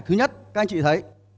thứ nhất các anh chị thấy